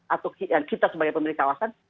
atau kita sebagai pemilik kawasan